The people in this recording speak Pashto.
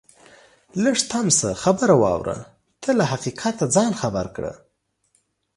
لږ تم شه خبره واوره ته له حقیقته ځان خبر کړه